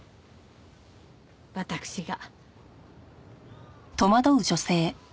私が。